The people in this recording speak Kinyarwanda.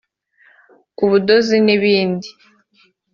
ubudozi n’ibindi